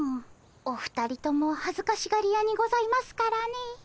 お二人とも恥ずかしがり屋にございますからね。